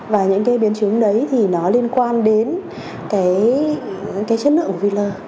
và những biến chứng đấy thì nó liên quan đến chất nợ của filler